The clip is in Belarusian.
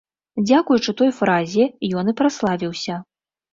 Дзякуючы той фразе ён і праславіўся.